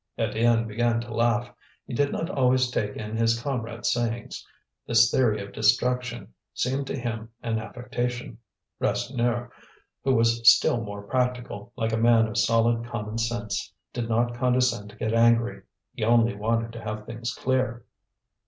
Étienne began to laugh. He did not always take in his comrade's sayings; this theory of destruction seemed to him an affectation. Rasseneur, who was still more practical, like a man of solid common sense did not condescend to get angry. He only wanted to have things clear.